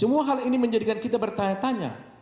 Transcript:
semua hal ini menjadikan kita bertanya tanya